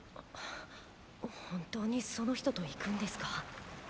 本当にその人と行くんですか？